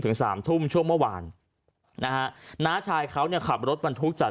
สามทุ่มช่วงเมื่อวานนะฮะน้าชายเขาเนี่ยขับรถบรรทุกจาก